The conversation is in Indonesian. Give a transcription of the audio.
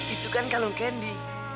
itu kan kalung kandi